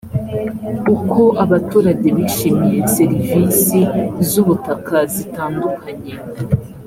uko abaturage bishimiye serivisi z ubutaka zitandukanye